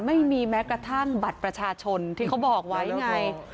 ไม่มีแม้กระทั่งบัตรประชาชนที่เขาบอกไว้ไง